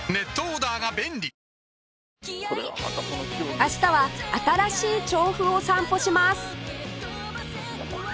明日は新しい調布を散歩します